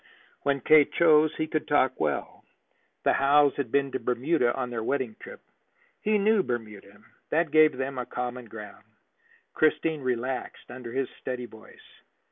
When K. chose, he could talk well. The Howes had been to Bermuda on their wedding trip. He knew Bermuda; that gave them a common ground. Christine relaxed under his steady voice.